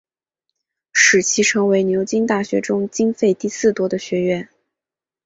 使其成为牛津大学中经费第四多的学院。